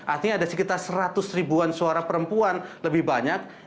artinya ada sekitar seratus ribuan suara perempuan lebih banyak